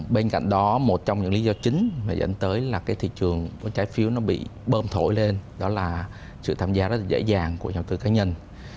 bên cạnh đó một trong những lý do chính mà dẫn tới là cái thị trường trái phiếu nó bị bơm thổi lên đó là sự tham gia rất là dễ dàng của nhà đầu tư cá nhân